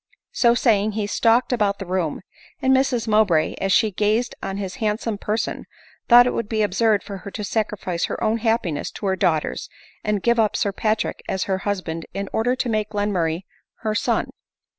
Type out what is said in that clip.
So saying he stalked about the room ; .and Mrs Mow bray, as she gazed on his handsome person, thought it ? would be absurd for her to sacrifice her own happiness to her daughter's, and give up Sir Patrick as her husband in order to make Glenmurray her son.